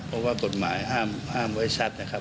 เพราะว่ากฎหมายห้ามไว้ชัดนะครับ